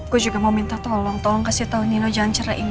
gue juga mau minta tolong tolong kasih tau nino jangan cerah ini